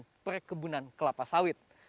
dari lahan perkebunan kelapa sawit